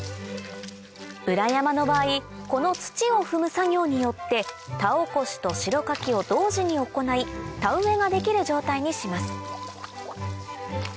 裏山の場合この土を踏む作業によって田おこしと代かきを同時に行い田植えができる状態にします